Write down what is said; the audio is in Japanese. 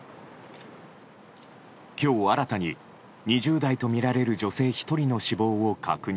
今日新たに２０代とみられる女性１人の死亡を確認。